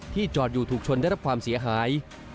จอดอยู่ถูกชนได้รับความเสียหาย